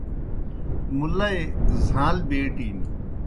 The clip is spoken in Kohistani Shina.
مُلئی زھاݩل بیٹِن۔